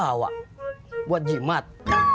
payung rusak lu bawa bawa buat jimat